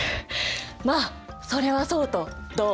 まあそれはそうとどう？